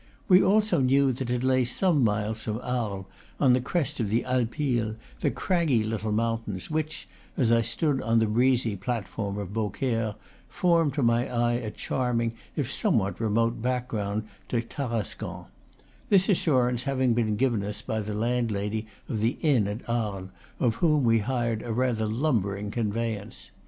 We also knew that it lay some miles from Aries, on the crest of the Alpilles, the craggy little mountains which, as I stood on the breezy plat form of Beaucaire, formed to my eye a charming, if somewhat remote, background to Tarascon; this as surance having been given us by the landlady of the inn at Arles, of whom we hired a rather lumbering conveyance.